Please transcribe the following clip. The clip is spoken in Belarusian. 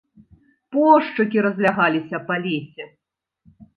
Пошчакі разлягаліся па лесе.